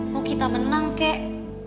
mau kita menang kak